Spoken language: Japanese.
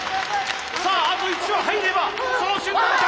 さああと１羽入ればその瞬間。